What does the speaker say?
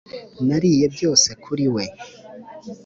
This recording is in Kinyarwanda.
nariye byose kuri we.